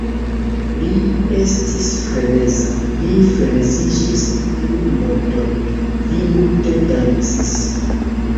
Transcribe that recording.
Vi estis freneza. Vi freneziĝis tiun nokton. Vi multe dancis!